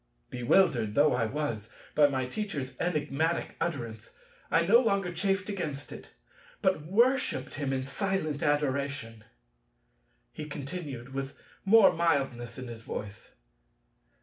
Bewildered though I was by my Teacher's enigmatic utterance, I no longer chafed against it, but worshipped him in silent adoration. He continued, with more mildness in his voice.